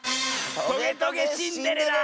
「トゲトゲ・シンデレラ」！